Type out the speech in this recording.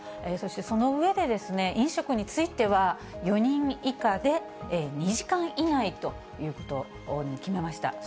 そして、その上で、飲食については、４人以下で２時間以内ということに決めました。